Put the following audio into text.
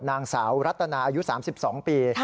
นางสาวรัตนาอายุ๓๒ปี